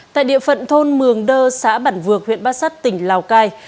tại địa phận thôn mường đơ xã bản vược huyện bát sát tỉnh lào cai